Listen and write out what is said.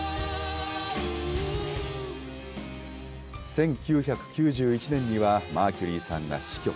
１９９１年には、マーキュリーさんが死去。